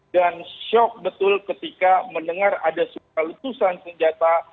dan shock betul ketika mendengar ada sukat letusan senjata